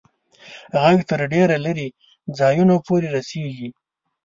ږغ تر ډېرو لیري ځایونو پوري رسیږي.